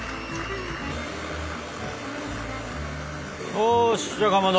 よしじゃあかまど！